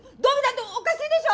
ほらおっかしいでしょ？